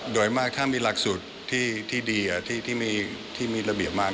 โดยมากถ้ามีหลักสูตรที่ดีที่มีระเบียบมาก